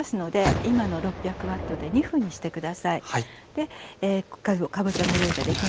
でかぼちゃの用意ができました。